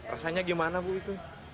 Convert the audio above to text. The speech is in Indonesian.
rasanya gimana bu itu